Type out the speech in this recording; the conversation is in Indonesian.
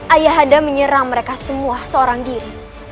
ayahanda menyerang mereka semua seorang diri